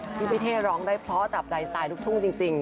พี่เท่ร้องได้เพราะจับใจสไตล์ลูกทุ่งจริง